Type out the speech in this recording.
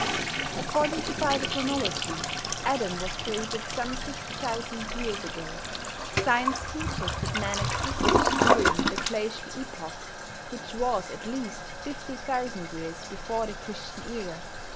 According to Bible chronology, Adam was created some six thousand years ago. Science teaches that man existed during the glacial epoch, which was at least fifty thousand years before the Christian era.